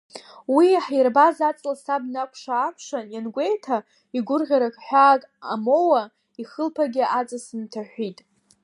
Уи иаҳирбаз аҵла саб днакәша-аакәшан иангәеиҭа, игәырӷьара ҳәаак амоуа, ихылԥагьы аҵыс нҭаҳәит.